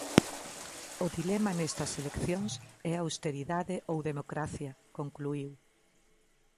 "O dilema nestas eleccións é austeridade ou democracia", concluíu.